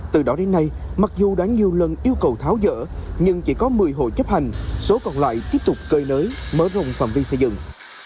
từ đó đến nay mặc dù đã nhiều lần yêu cầu tháo dỡ nhưng chỉ có một mươi hội chấp hành số còn lại tiếp tục cơi nới mở rộng phạm vi xây dựng